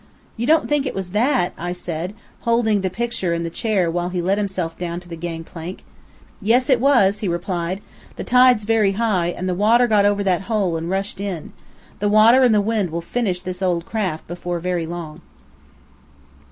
"You don't think it was that!" I said, holding the picture and the chair while he let himself down to the gang plank. "Yes, it was," he replied. "The tide's very high, and the water got over that hole and rushed in. The water and the wind will finish this old craft before very long."